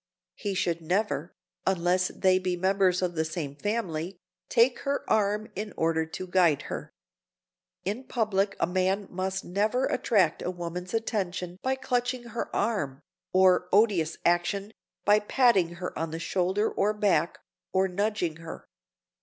He should never, unless they be members of the same family, take her arm in order to guide her. In public a man must never attract a woman's attention by clutching her arm, or—odious action!—by patting her on the shoulder or back, or nudging her.